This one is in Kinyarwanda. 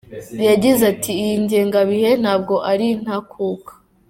Yagize ati “Iyi ngengabihe ntabwo ari ntakuka.